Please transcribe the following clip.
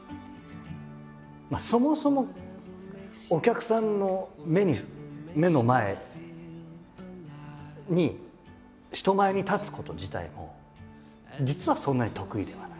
そもそもお客さんの目の前に人前に立つこと自体も実はそんなに得意ではない。